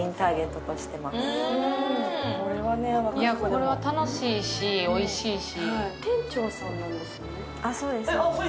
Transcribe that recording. これは楽しいしおいしいし。